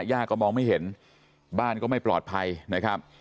ย่าก็มองไม่เห็นบ้านก็ไม่ปลอดภัยนะครับ